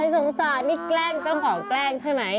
สงสารนี่แกล้งเจ้าของแกล้งใช่ไหม